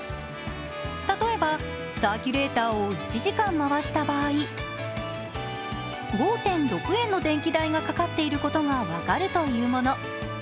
例えばサーキュレーターを１時間回した場合、５．６円の電気代がかかっていることが分かるというもの。